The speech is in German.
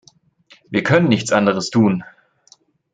Wir können nichts anderes tun.